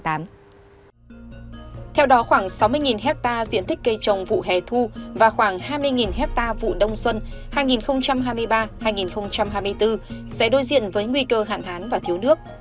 theo đó khoảng sáu mươi hectare diện tích cây trồng vụ hè thu và khoảng hai mươi hectare vụ đông xuân hai nghìn hai mươi ba hai nghìn hai mươi bốn sẽ đối diện với nguy cơ hạn hán và thiếu nước